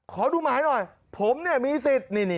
ขอดูหมายหน่อยผมมีสิทธิ์